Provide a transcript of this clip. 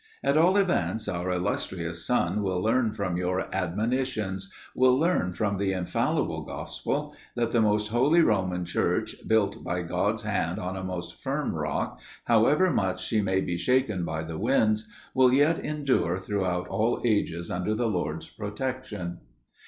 At all events, our illustrious son will learn from your admonitions, will learn from the infallible Gospel, that the most holy Roman Church, built by God's hand on a most firm rock, however much she may be shaken by the winds, will yet endure throughout all ages under the Lord's protection."